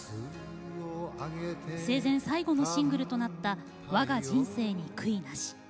生前最後のシングルとなった「わが人生に悔いなし」。